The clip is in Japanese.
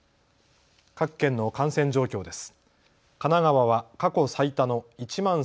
各県の感染状況です。